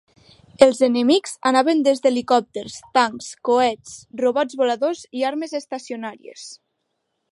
Els enemics anaven des d'helicòpters, tancs, coets, robots voladors i armes estacionàries.